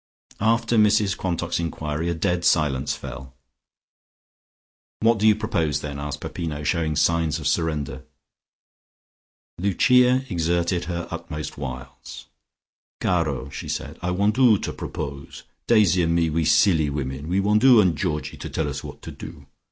After Mrs Quantock's enquiry a dead silence fell. "What do you propose, then?" asked Peppino, showing signs of surrender. Lucia exerted her utmost wiles. "Caro!" she said. "I want 'oo to propose. Daisy and me, we silly women, we want 'oo and Georgie to tell us what to do.